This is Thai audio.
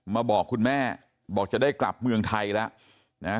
บอกคุณแม่บอกจะได้กลับเมืองไทยแล้วนะฮะ